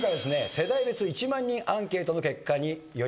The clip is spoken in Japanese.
世代別１万人アンケートの結果によります